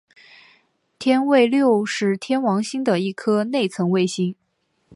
天卫六是天王星的一颗内层卫星。